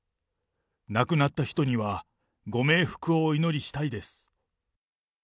亡くなった人にはご冥福をお祈りしたいです。